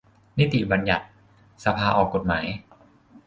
-นิติบัญญัติ : สภาออกกฎหมาย